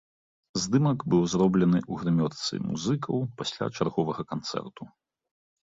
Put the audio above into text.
Здымак быў зроблены ў грымёрцы музыкаў пасля чарговага канцэрту.